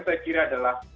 saya kira adalah